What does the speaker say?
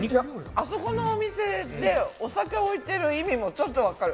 あそこのお店でお酒置いてる意味もちょっと分かる。